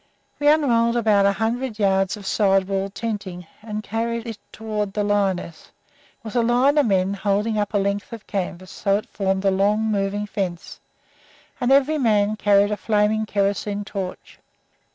We unrolled about a hundred yards of side wall wall tenting, and carried it toward the lioness. It was a line of men, holding up a length of canvas so that it formed a long, moving fence. And every man carried a flaming kerosene torch.